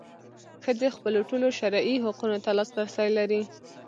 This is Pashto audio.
ښځې خپلو ټولو شرعي حقونو ته لاسرسی لري.